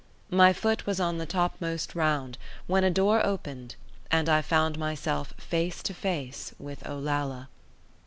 My foot was on the topmost round, when a door opened, and I found myself face to face with Olalla.